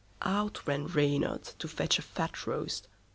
Out ran Reynard to fetch a fat roast.